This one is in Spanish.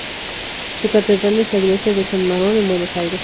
Su catedral es la iglesia de "San Marón" en Buenos Aires.